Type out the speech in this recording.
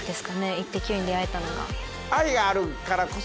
『イッテＱ！』に出会えたのが。